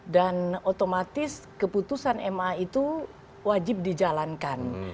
dan otomatis keputusan ma itu wajib dijalankan